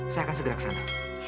saya akan segera ke sana